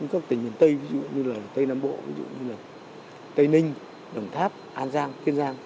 các tỉnh miền tây ví dụ như là tây nam bộ tây ninh đồng tháp an giang kiên giang